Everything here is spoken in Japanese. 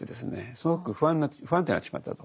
すごく不安定になってしまったと。